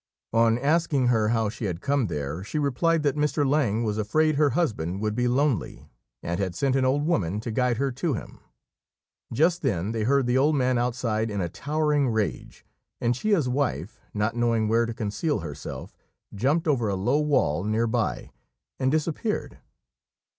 On asking her how she had come there, she replied that Mr. Lang was afraid her husband would be lonely, and had sent an old woman to guide her to him. Just then they heard the old man outside in a towering rage, and Chia's wife, not knowing where to conceal herself, jumped over a low wall near by and disappeared.